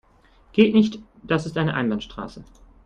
Geht nicht, das ist eine Einbahnstraße.